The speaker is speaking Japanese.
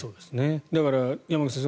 だから、山口先生